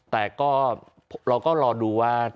แต่ก็เราก็รอดูว่า